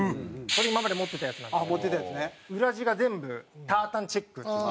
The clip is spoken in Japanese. これ今まで持ってたやつなんですけど裏地が全部タータンチェックっていう。